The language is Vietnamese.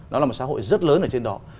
nó là một xã hội rất lớn ở trên đó